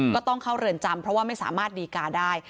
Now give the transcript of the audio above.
ก็ต้องเข้าเรือนจำเพราะว่าไม่สามารถดีการได้